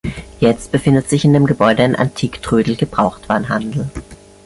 Jetzt befindet sich in dem Gebäude ein "Antik-Trödel-Gebrauchtwaren-Handel".